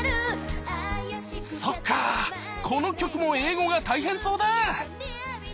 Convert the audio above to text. そっかこの曲も英語が大変そうだ！